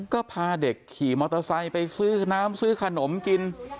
ก็พาเด็กขี่มอเตอร์ไซค์ไปซื้อน้ำซื้อขนมกิน